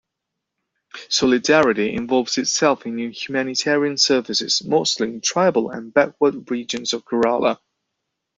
Solidarity involves itself in humanitarian services, mostly in tribal and backward regions of Kerala.